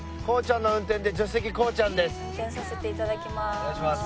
お願いします。